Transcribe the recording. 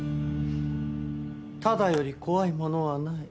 タダより怖いものはない。